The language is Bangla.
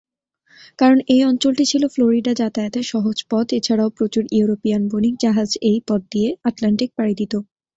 কারণ এই অঞ্চলটি ছিল ফ্লোরিডা যাতায়াতের সহজ পথ, এছাড়াও প্রচুর ইউরোপীয়ান বণিক জাহাজ এই পথ দিয়ে আটলান্টিক পাড়ি দিত।